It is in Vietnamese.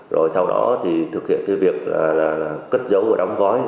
rồi sau đó thì thực hiện cái việc là cất giấu và đóng gói